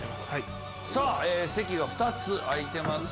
さぁ席が２つ空いてます。